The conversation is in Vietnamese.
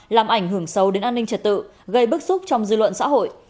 làm ảnh hưởng sâu đến an ninh trật tự gây bức xúc trong dư luận xã hội